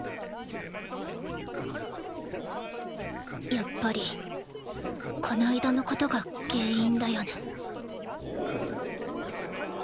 やっぱりこの間のことが原因だよね